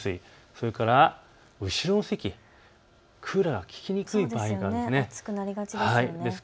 それから後ろの席、クーラーが効きにくい場合があるんです。